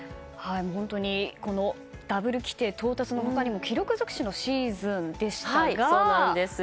本当にダブル規定到達のほかにも記録尽くしのシーズンでしたが。